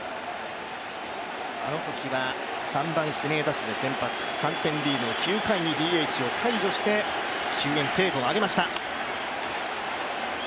あのときは３番指名打者で先発、９回にＤＨを解除して解除して救援セーブを挙げました。